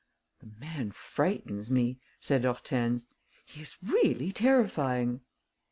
"The man frightens me," said Hortense. "He is really terrifying."